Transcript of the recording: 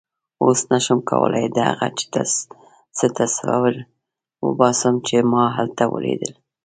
اوس نه شم کولای د هغه څه تصویر وباسم چې ما هلته ولیدل.